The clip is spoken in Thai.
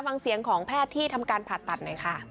ฟังเสียงของแพทย์ที่ทำการผ่าตัดหน่อยค่ะ